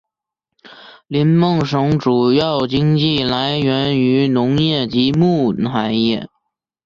林梦省主要经济来源于农业及木材业。